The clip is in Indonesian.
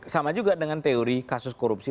sama juga dengan teori kasus korupsi